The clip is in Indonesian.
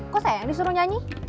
kok saya yang disuruh nyanyi